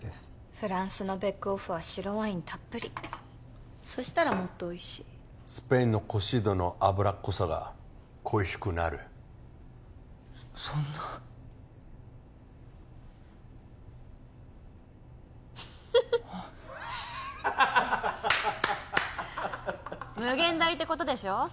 フランスのベックオフは白ワインたっぷりそしたらもっとおいしいスペインのコシードの脂っこさが恋しくなるそんな無限大ってことでしょ？